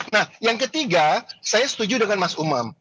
nah yang ketiga saya setuju dengan mas umam